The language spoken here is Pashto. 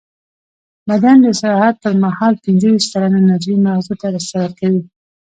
بدن د استراحت پر مهال پینځهویشت سلنه انرژي مغزو ته ورکوي.